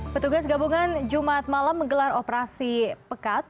petugas gabungan jumat malam menggelar operasi pekat